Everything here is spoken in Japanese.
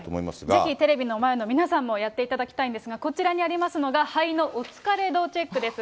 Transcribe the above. ぜひテレビの前の皆さんもやっていただきたいんですが、こちらにありますのが、肺のお疲れ度チェックです。